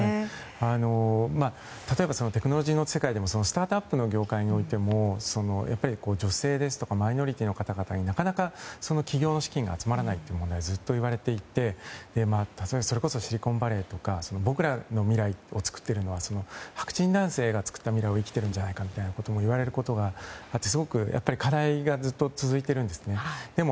例えば、テクノロジーの世界でもスタートアップの業界においても女性ですとかマイノリティーの方々になかなか起業資金が集まらないとずっと言われていてそれこそシリコンバレーとか僕らの未来を作っているのは白人男性が作った未来を生きてるんじゃないかみたいなことを言われることがあって課題がずっと続いているんですね。